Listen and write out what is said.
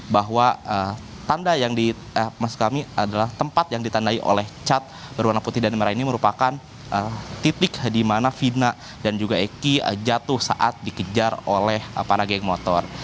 bahwa tempat yang ditandai oleh cat berwarna putih dan merah ini merupakan titik dimana vina dan juga eki jatuh saat dikejar oleh para geng motor